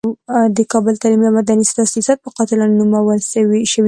د کابل تعلیمي او مدني تاسیسات په قاتلانو نومول شوي دي.